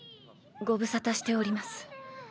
ご無沙汰しております。